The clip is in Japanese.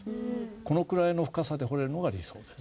このくらいの深さで彫れるのが理想です。